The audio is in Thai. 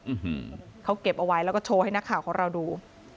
อืมเขาเก็บเอาไว้แล้วก็โชว์ให้นักข่าวของเราดู